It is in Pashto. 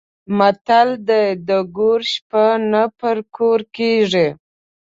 متل دی: د ګور شپه نه په کور کېږي.